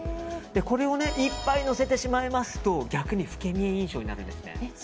これをいっぱいのせてしまいますと逆に老け見え印象になるんですね。